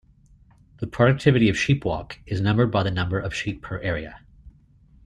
The productivity of sheepwalk is measured by the number of sheep per area.